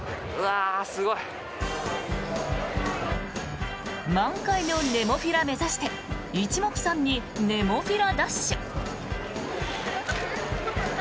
すごい。満開のネモフィラ目指して一目散にネモフィラダッシュ。